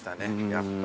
やっぱり。